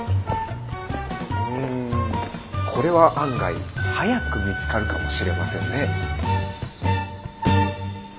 うんこれは案外早く見つかるかもしれませんね。